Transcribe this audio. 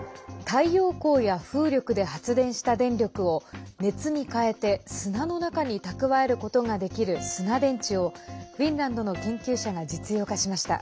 太陽光や風力で発電した電力を熱に変えて砂の中に蓄えることができる砂電池をフィンランドの研究者が実用化しました。